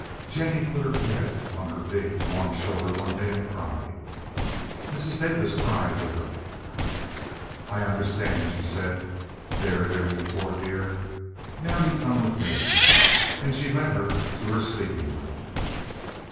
Jennie put her head on her big, warm shoulder one day and cried. Mrs. Davis cried with her. "I understand," she said. "There, there, you poor dear. Now you come with me." And she led her to her sleeping room.